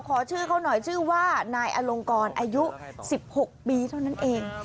ขอชื่อเขาหน่อยชื่อว่านายอลงกรอายุ๑๖ปีเท่านั้นเอง